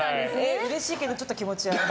うれしいけどちょっと気持ち悪い。